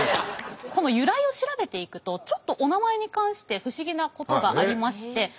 この由来を調べていくとちょっとおなまえに関して不思議なことがありまして。